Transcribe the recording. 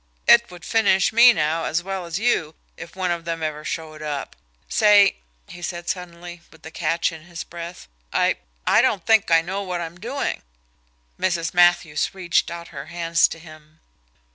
It would finish me now, as well as you, if one of them ever showed up. Say," he said suddenly, with a catch in his breath, "I I don't think I know what I'm doing." Mrs. Matthews reached out her hands to him.